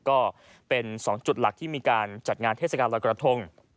ก็เป็น๒จุดหลักที่มีการจัดงานเทศกาลรอยกระทง